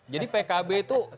jadi pkb itu